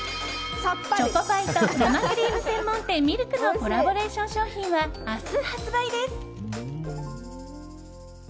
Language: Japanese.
チョコパイと生クリーム専門店Ｍｉｌｋのコラボレーション商品は明日発売です。